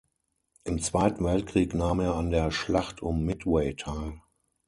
Im Zweiten Weltkrieg nahm er an der Schlacht um Midway teil.